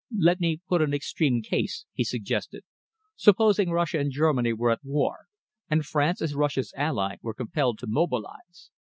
"Let me put an extreme case," he suggested. "Supposing Russia and Germany were at war, and France, as Russia's ally, were compelled to mobilise.